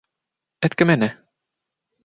Etkö mene?